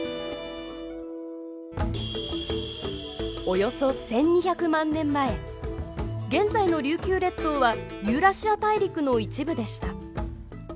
およそ１２００万年前現在の琉球列島はユーラシア大陸の一部でした。